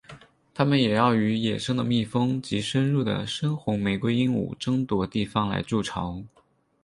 它们也要与野生的蜜蜂及入侵的深红玫瑰鹦鹉争夺地方来筑巢。